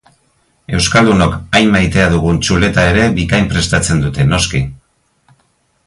Euskaldunok hain maitea dugun txuleta ere bikain prestatzen dute, noski!